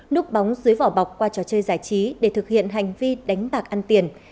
núp bóng dưới vỏ bọc qua trò chơi giải trí để thực hiện hành vi đánh bạc ăn tiền